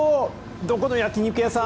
どこの焼き肉屋さん？